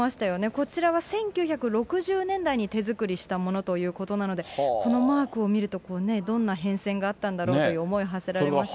こちらは１９６０年代に手作りしたものということなので、このマークを見るとね、どんな変遷があったんだろうという思いをはせられますよね。